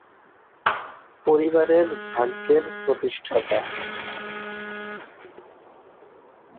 পরিবারের ভাগ্যের প্রতিষ্ঠাতা।